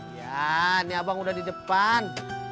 ya ini abang udah di depan